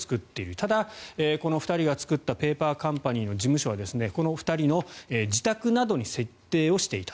ただ、この２人が作ったペーパーカンパニーの事務所はこの２人の自宅などに設定をしていた。